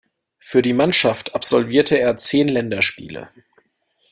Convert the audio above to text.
Für die Mannschaft absolvierte er zehn Länderspiele.